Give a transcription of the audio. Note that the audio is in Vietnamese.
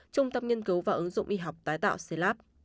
trung tâm nhân cứu và ứng dụng y học tái tạo c lab